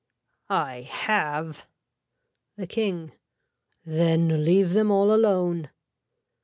I have. (The King.) Then leave them all alone.